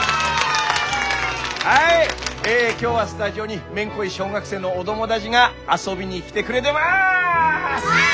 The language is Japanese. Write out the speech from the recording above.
はい今日はスタジオにめんこい小学生のお友達が遊びに来てくれでます！